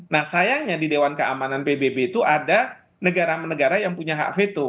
nah sayangnya di dewan keamanan pbb itu ada negara negara yang punya hak veto